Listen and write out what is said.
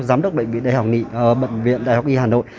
giám đốc bệnh viện đhi hà nội